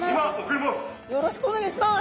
よろしくお願いします！